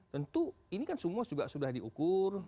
tentu ini kan semua juga sudah diukur